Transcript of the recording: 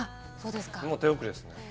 もう手遅れですね。